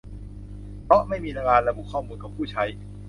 เพราะไม่มีการระบุข้อมูลของผู้ใช้